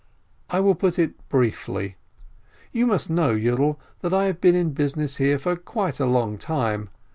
"I will put it briefly. You must know, Yiidel, that I have been in business here for quite a long time.